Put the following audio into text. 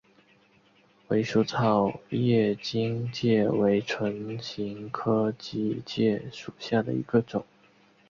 鼠尾草叶荆芥为唇形科荆芥属下的一个种。